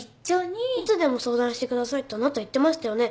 いつでも相談してくださいってあなた言ってましたよね？